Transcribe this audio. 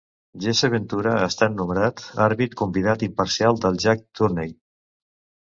Jesse Ventura ha estat nombrat àrbitre convidat imparcial per Jack Tunney.